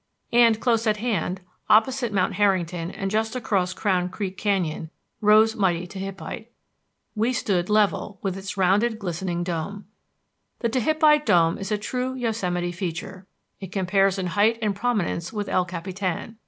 And, close at hand, opposite Mount Harrington and just across Crown Creek Canyon, rose mighty Tehipite. We stood level with its rounded glistening dome. The Tehipite Dome is a true Yosemite feature. It compares in height and prominence with El Capitan.